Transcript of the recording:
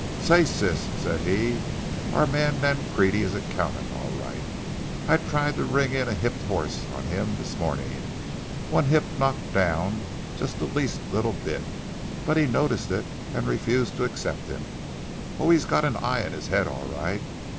"Say, Sis," said he, "our man Nancrede is a cowman all right. I tried to ring in a 'hipped' horse on him this morning,—one hip knocked down just the least little bit,—but he noticed it and refused to accept him. Oh, he's got an eye in his head all right.